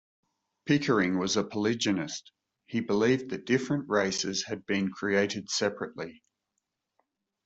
Pickering was a polygenist, he believed that different races had been created separately.